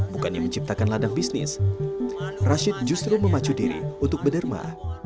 bukannya menciptakan ladang bisnis rashid justru memacu diri untuk berderma